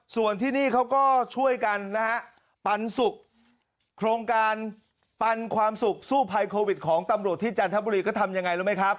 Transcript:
ส่วนที่นี่เขาก็ช่วยกันนะฮะปันสุกโครงการปันความสุขสู้ภัยโควิดของตำรวจที่จันทบุรีก็ทำยังไงรู้ไหมครับ